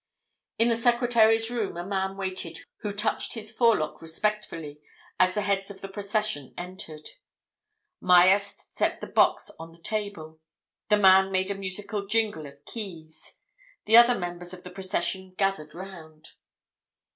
In the secretary's room a man waited who touched his forelock respectfully as the heads of the procession entered. Myerst set the box on the table: the man made a musical jingle of keys: the other members of the procession gathered round.